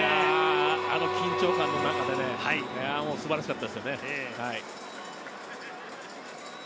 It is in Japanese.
あの緊張感の中で素晴らしかったですよね。